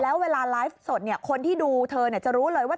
แล้วเวลาไลฟ์สดคนที่ดูเธอจะรู้เลยว่า